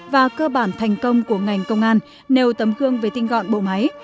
và cơ bản thành công của ngành công an nêu tấm khương về tinh gọn bộ máy